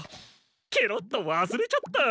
けろっとわすれちゃった！